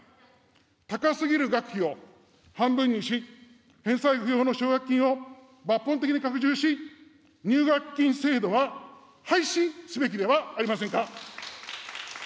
高すぎる学費を半分にし、返済不要の奨学金を抜本的に拡充し、入学金制度は廃止すべきではありませんか。